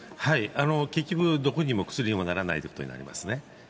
結局、どこにも薬にもならないということになりますね。